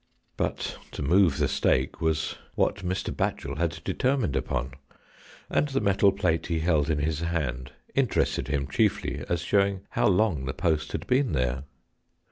But to move the stake was what Mr. Batchel had determined upon, and the metal plate he held in his hand interested him chiejiy as showing how long the post had been there.